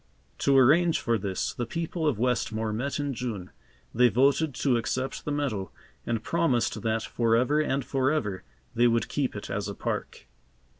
To arrange for this, the people of Westmore met in June. They voted to accept the meadow, and promised that forever and forever, they would keep it as a park.